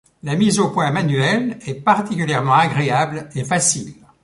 La mise au point manuelle est particulièrement agréable et facile.